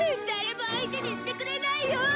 誰も相手にしてくれないよ！